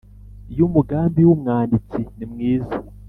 yumugambi w’umwanditsi nimwiza